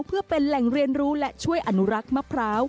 เพื่อเป็นแหล่งเรียนรู้และช่วยอนุรักษ์มะพร้าว